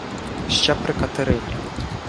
Ще при Катерині.